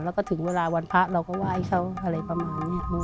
แล้วก็ถึงเวลาวันพระเราก็ไหว้เขาอะไรประมาณนี้